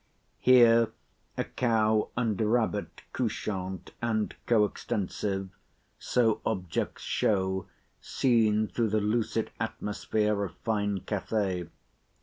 Here—a cow and rabbit couchant, and co extensive—so objects show, seen through the lucid atmosphere of fine Cathay.